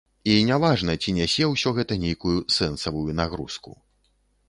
І не важна, ці нясе ўсё гэта нейкую сэнсавую нагрузку.